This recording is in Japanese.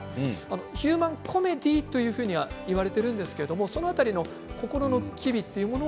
ヒューマンコメディーというふうにはいわれているんですけれどその辺りの心の機微というもの